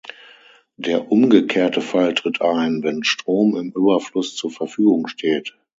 Der umgekehrte Fall tritt ein, wenn Strom im Überfluss zur Verfügung steht.